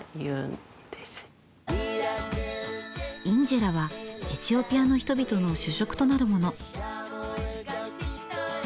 インジェラはエチオピアの人々の主食となるもの。